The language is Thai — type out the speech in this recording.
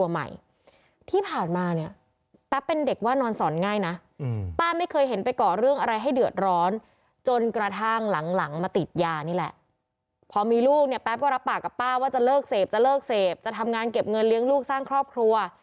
เหมือนเลี้ยงลูกสร้างครอบครัว